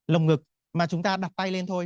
lồng ngực mà chúng ta đặt tay lên thôi